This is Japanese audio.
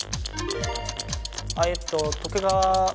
えっと徳川。